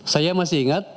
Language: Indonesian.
saya masih ingat